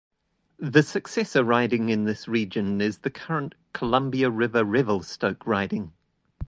The successor riding in this region is the current Columbia River-Revelstoke riding.